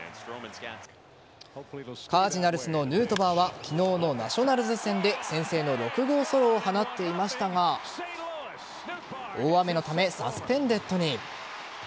カージナルスのヌートバーは昨日のナショナルズ戦で先制の６号ソロを放っていましたが大雨のためサスペンデッドに。